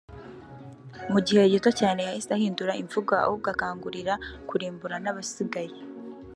mu gihe gito cyane yahise ahindura imvugo ahubwo akangurira kurimbura n’abasigaye